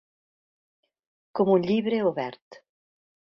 Com un llibre obert.